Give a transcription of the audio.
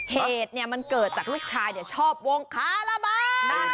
เหตุมันเกิดจากลูกชายชอบวงคาราบาล